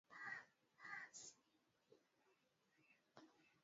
Dalili ya homa ya bonde la ufa ni ndama kuzaliwa wakiwa wamekufa